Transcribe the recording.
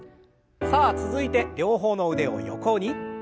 さあ続いて両方の腕を横に。